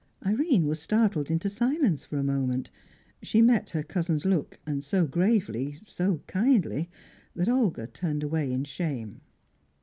Irene was startled into silence for a moment. She met her cousin's look, and so gravely, so kindly, that Olga turned away in shame.